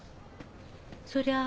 そりゃ。